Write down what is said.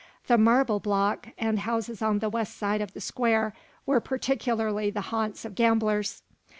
The Marble block, and houses on the west side of the square, were particularly the haunts of gamblers.